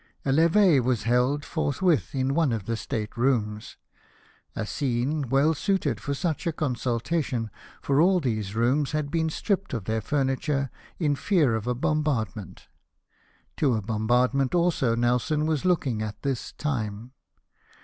A lev6e was held forthwith in one of the state rooms : a scene well suited for such a consultation, for all these rooms had been stripped of their furniture, in fear of a bombard ment. To a bombardment also Nelson was looking at this time.